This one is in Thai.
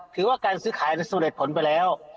ถือว่าการซื้อขายนั้นสำเร็จผลไปแล้ว